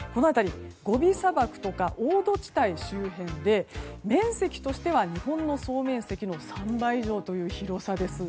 ゴビ砂漠とか黄土地帯周辺で面積としては日本の総面積の３倍以上という広さです。